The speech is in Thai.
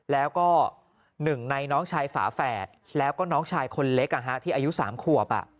แล้วก็หนึ่งในน้องชายฝาแฝดแล้วก็น้องชายคนเล็กที่อายุ๓ขวบ